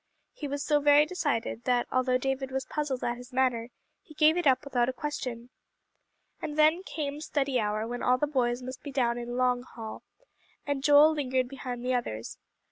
He was so very decided that although David was puzzled at his manner, he gave it up without a question. And then came study hour when all the boys must be down in "Long Hall," and Joel lingered behind the others.